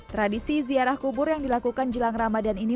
tradisi ziarah kubur yang dilakukan jelang ramadan ini